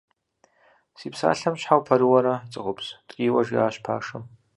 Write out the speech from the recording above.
Си псалъэм щхьэ упэрыуэрэ, цӀыхубз? – ткӀийуэ жиӀащ пашэм.